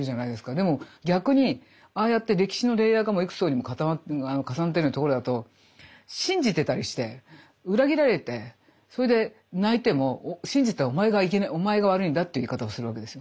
でも逆にああやって歴史のレイヤーが幾層にも重なってるようなところだと信じてたりして裏切られてそれで泣いても信じたおまえが悪いんだっていう言い方をするわけですよ。